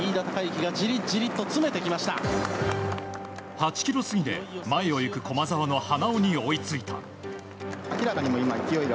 ８ｋｍ過ぎで前を行く駒澤の花尾に追いついた。